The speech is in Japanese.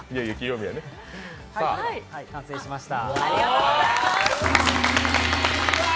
完成しました。